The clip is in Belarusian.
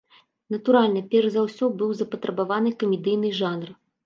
Натуральна, перш за ўсё быў запатрабаваны камедыйны жанр.